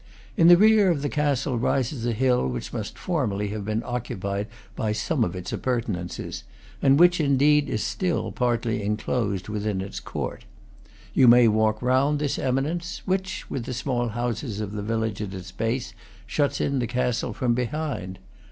In the rear of the castle rises a hill which must formerly have been occupied by some of its appurtenances, and which indeed is still partly enclosed within its court. You may walk round this eminence, which, with the small houses of the village at its base, shuts in the castle from behind.